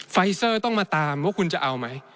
ไฟเซอร์ต้องมาตามว่าคุณจะเอาไหม